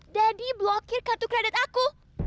dadi blokir kartu kredit aku